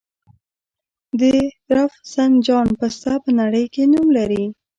د رفسنجان پسته په نړۍ کې نوم لري.